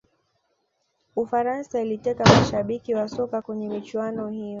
ufaransa iliteka mashabiki wa soka kwenye michuano hiyo